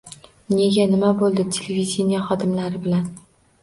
“Nega? Nima bo‘ldi televideniye xodimlari bilan